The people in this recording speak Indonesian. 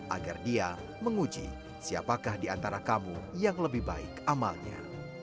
agar dia menguji siapakah di antara kamu yang lebih baik amalnya